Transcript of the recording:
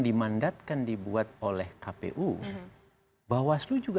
dimandatkan dibuat oleh kpu bawaslu juga